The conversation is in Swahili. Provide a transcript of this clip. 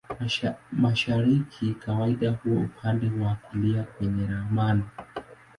Mashariki kawaida huwa upande wa kulia kwenye ramani.